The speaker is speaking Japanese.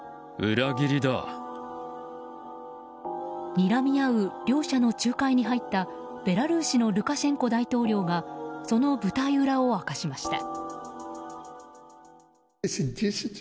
にらみ合う両者の仲介に入ったベラルーシのルカシェンコ大統領がその舞台裏を明かしました。